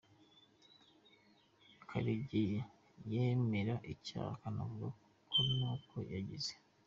Karegeye yemera icyaha akanavuga ko n’uko yagize.